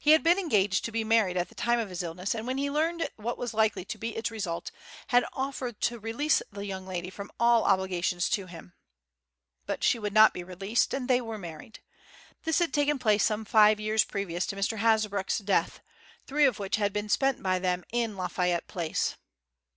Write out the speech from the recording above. He had been engaged to be married at the time of his illness, and when he learned what was likely to be its result, had offered to release the young lady from all obligation to him. But she would not be released, and they were married. This had taken place some five years previous to Mr. Hasbrouck's death, three of which had been spent by them in Lafayette Place.